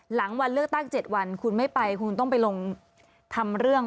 หลังวันเลือกตั้ง๗วันคุณไม่ไปคุณต้องไปลงทำเรื่อง